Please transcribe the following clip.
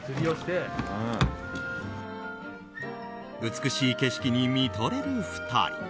美しい景色に見とれる２人。